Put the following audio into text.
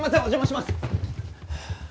お邪魔します。